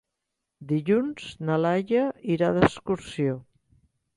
Dilluns na Laia irà d'excursió.